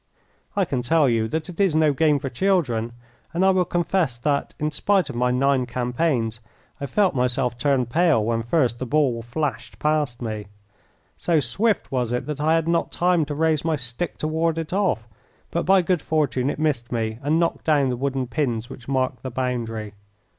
I can tell you that it is no game for children, and I will confess that, in spite of my nine campaigns, I felt myself turn pale when first the ball flashed past me. So swift was it that I had not time to raise my stick to ward it off, but by good fortune it missed me and knocked down the wooden pins which marked the boundary.